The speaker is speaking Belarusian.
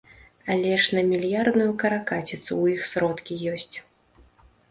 Але ж на мільярдную каракаціцу ў іх сродкі ёсць.